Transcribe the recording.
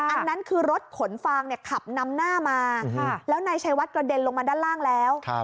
อันนั้นคือรถขนฟางเนี่ยขับนำหน้ามาแล้วนายชัยวัดกระเด็นลงมาด้านล่างแล้ว